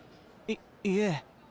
いいえ。